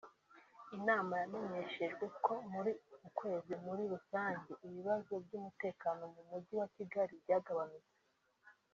Inama yamenyeshejwe ko muri uku kwezi muri rusange ibibazo by’umutekano mu Mujyi wa Kigali byagabanyutse